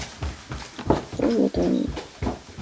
沟牙田鼠属等之数种哺乳动物。